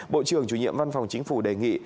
bộ trưởng chủ nhiệm văn phòng chính phủ đề nghị